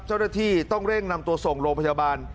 เจ้าหน้าที่ต้องเร่งนำตัวส่งโรงพยาบาล